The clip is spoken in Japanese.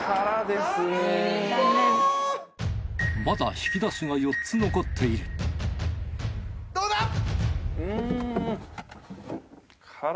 まだ引き出しが４つ残っているどうだ！？